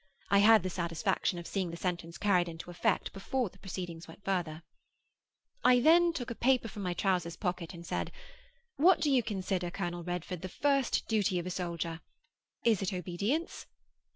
I had the satisfaction of seeing the sentence carried into effect before the proceedings went further. I then took a paper from my trousers pocket, and asked, 'What do you consider, Col. Redford, the first duty of a soldier? Is it obedience?